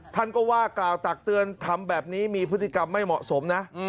ท่านก็ว่ากล่าวตักเตือนทำแบบนี้มีพฤติกรรมไม่เหมาะสมนะ